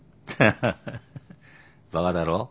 ハハッバカだろう？